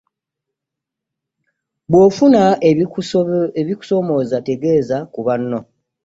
Bwofuna ebikusomooza tegeza ku banno.